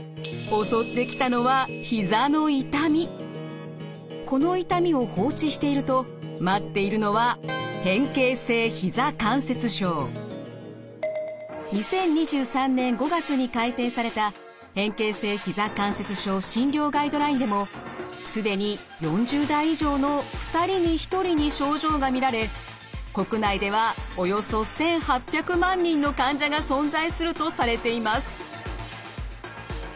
襲ってきたのはこの痛みを放置していると待っているのは２０２３年５月に改訂された「変形性膝関節症診療ガイドライン」でも既に４０代以上の２人に１人に症状が見られ国内ではおよそ１，８００万人の患者が存在するとされています。